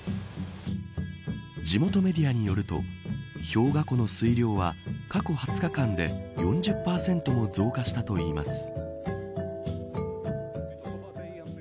地元メディアによると氷河湖の水量は過去２０日間で４０％も増加したといいます。